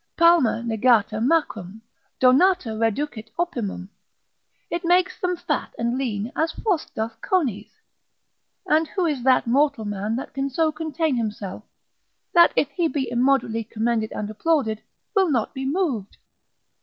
Palma negata macrum, donata reducit opimum. It makes them fat and lean, as frost doth conies. And who is that mortal man that can so contain himself, that if he be immoderately commended and applauded, will not be moved?